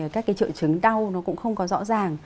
các cái triệu chứng đau nó cũng không có rõ ràng